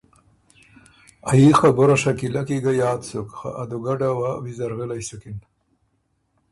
ا يي خبُره شکیلۀ کی ګه یاد سُک خه ا دُوګډه ویزر غِلئ سُکِن